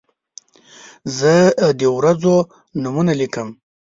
زه د ورځو نومونه لیکم.